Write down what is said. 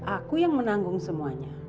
aku yang menanggung semuanya